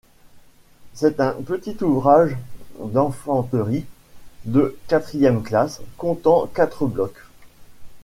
C'est un petit ouvrage d'infanterie, de quatrième classe, comptant quatre blocs.